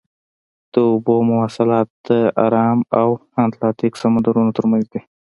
د اوبو مواصلات د ارام او اتلانتیک سمندرونو ترمنځ دي.